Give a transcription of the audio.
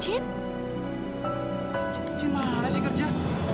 cincin mana sih kerja